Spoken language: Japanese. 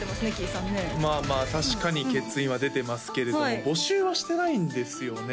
さんねまあまあ確かに欠員は出てますけれども募集はしてないんですよね